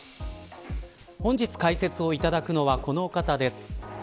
本日解説をいただくのはこのお方です。